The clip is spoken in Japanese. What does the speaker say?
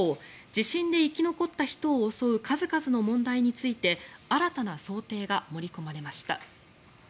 地震で生き残った人を襲う数々の問題について新たな想定が盛り込まれました。